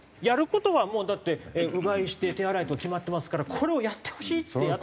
やる事はもうだってうがいして手洗いと決まってますからこれをやってほしいって。